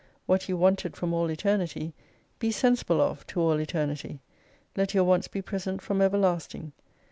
What you wanted from all Eternity, be sensible of to all Eternity. Let your wants be present from everlasting.